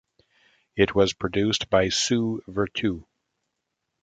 It was produced by Sue Vertue.